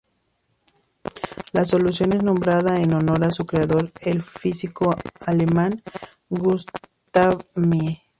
La solución es nombrada en honor a su creador el físico alemán Gustav Mie.